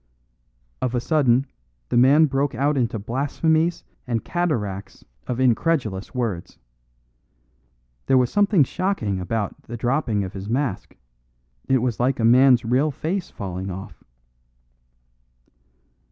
Of a sudden the man broke out into blasphemies and cataracts of incredulous words. There was something shocking about the dropping of his mask; it was like a man's real face falling off.